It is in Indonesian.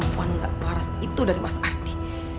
mengakhirkan perempuan gak paras itu dari mas arti